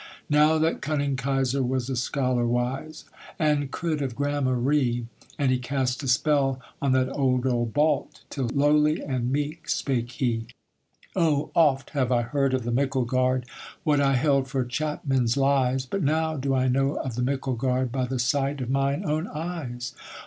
Now that cunning Kaiser was a scholar wise, And could of gramarye, And he cast a spell on that old old Balt, Till lowly and meek spake he. 'Oh oft have I heard of the Micklegard, What I held for chapmen's lies; But now do I know of the Micklegard, By the sight of mine own eyes.